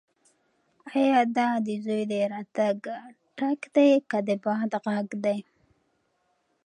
ایا دا د زوی د راتګ ټک دی که د باد غږ دی؟